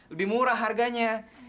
lebih murah harganya